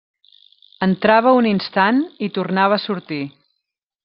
Entrava un instant i tornava a sortir.